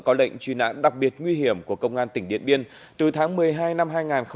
có lệnh truy nãn đặc biệt nguy hiểm của công an tỉnh điện biên từ tháng một mươi hai năm hai nghìn một mươi ba